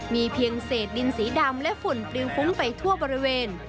มีเพียงเศษดินสีดำและฝุ่นปลิวฟุ้งไปทั่วบริเวณ